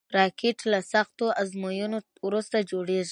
راکټ له سختو ازموینو وروسته جوړېږي